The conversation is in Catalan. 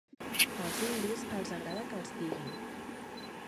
Els indis, els agrada que els diguin.